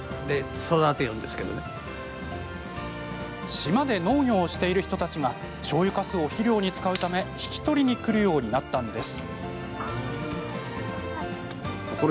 島で農業をしている人たちがしょうゆかすを肥料に使うため引き取りにくるようになったんです。